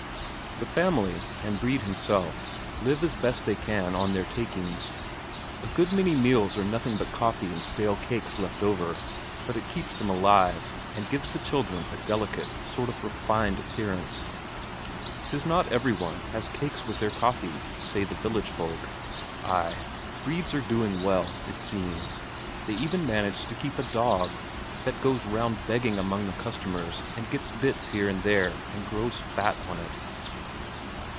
The family, and Brede himself, live as best they can on their takings. A good many meals are nothing but coffee and stale cakes left over, but it keeps them alive, and gives the children a delicate, sort of refined appearance. 'Tis not every one has cakes with their coffee, say the village folk. Ay, Bredes are doing well, it seems; they even manage to keep a dog, that goes round begging among the customers and gets bits here and there and grows fat on it.